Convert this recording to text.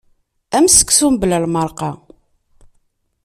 Am seksu mebla lmerqa.